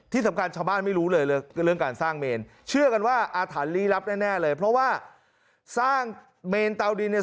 ชาวบ้านไม่รู้เลยเรื่องการสร้างเมนเชื่อกันว่าอาถรรพ์ลี้ลับแน่เลยเพราะว่าสร้างเมนเตาดินเนี่ย